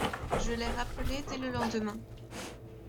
Je l’ai rappelée dès le lendemain.